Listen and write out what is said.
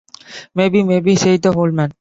“Maybe, maybe,” said the old man.